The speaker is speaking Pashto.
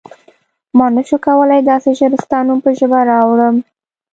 ما نه شو کولای داسې ژر ستا نوم په ژبه راوړم.